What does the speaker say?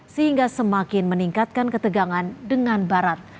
sehingga semakin meningkatkan ketegangan dengan barat